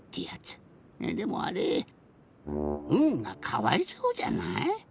でもあれ「ん」がかわいそうじゃない？